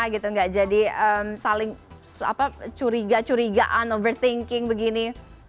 tidak jadi curiga curigaan overthinking begini